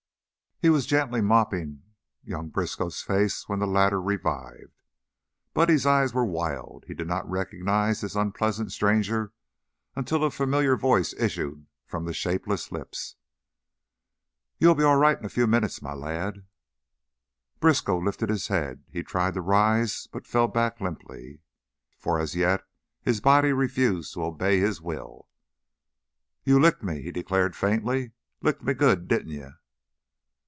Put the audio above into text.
He was gently mopping young Briskow's face when the latter revived. Buddy's eyes were wild, he did not recognize this unpleasant stranger until a familiar voice issued from the shapeless lips. "You'll be all right in a few minutes, my lad." Briskow lifted his head; he tried to rise, but fell back limply, for as yet his body refused to obey his will. "You licked me," he declared, faintly. "Licked me good, didn't you?"